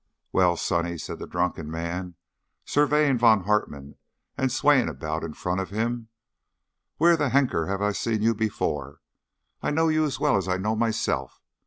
"Well, sonny," said the drunken man, surveying Von Hartmann and swaying about in front of him, "where the Henker have I seen you before? I know you as well as I know myself.